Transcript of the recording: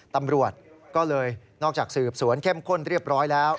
ตำรวจก็เลยนอกจากสืบสวนเข้มข้นเรียบร้อยแล้ว